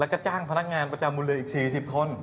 และก็จ้างพนักงานประจำบุริเวลอีก๔๐คน